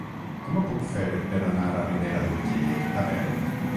Com ho puc fer per anar a Ribera d'Urgellet a peu?